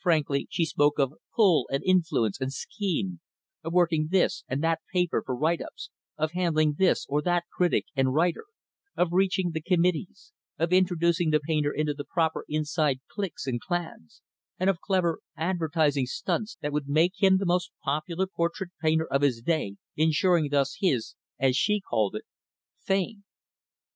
Frankly, she spoke of "pull" and "influence" and "scheme"; of "working" this and that "paper" for "write ups"; of "handling" this or that "critic" and "writer"; of "reaching the committees"; of introducing the painter into the proper inside cliques, and clans; and of clever "advertising stunts" that would make him the most popular portrait painter of his day; insuring thus his as she called it fame.